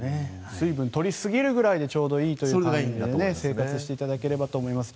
水分取りすぎるぐらいでちょうどいいという生活をしていただきたいと思います。